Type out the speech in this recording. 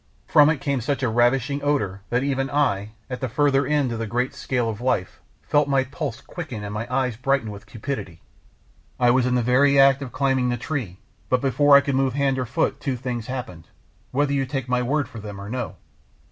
From it came such a ravishing odour that even I, at the further end of the great scale of life, felt my pulses quicken and my eyes brighten with cupidity. I was in the very act of climbing the tree, but before I could move hand or foot two things happened, whether you take my word for them or no.